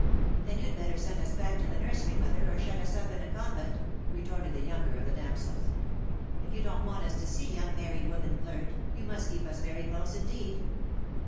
''" Then you'd better send us back to the nursery, mother, or shut us up in a convent," retorted the younger of the damsels. '' If you don't want us to see young married women flirt, you must keep us very close indeed."